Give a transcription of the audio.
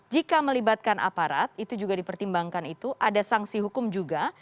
jika melibatkan aparat itu juga dipertimbangkan itu ada sanksi hukum juga